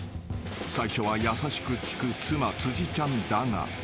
［最初は優しく聞く妻辻ちゃんだが］